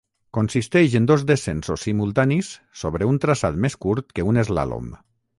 Consisteix en dos descensos simultanis sobre un traçat més curt que un Eslàlom.